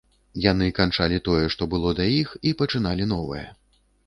Яны канчалі тое, што было да іх, і пачыналі новае.